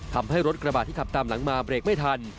ทำให้รถกระบาดที่ขับตามหลังมาเบรกไม่ทัน